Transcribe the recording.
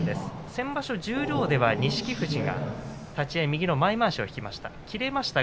先場所、十両では錦富士は立ち合い右のまわしを引きました。